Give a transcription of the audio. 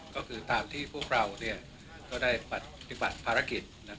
ก็คือตามที่พวกเราก็ได้ปฏิบัติภารกิจ